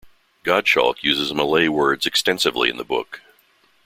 Godshalk uses Malay words extensively in the book.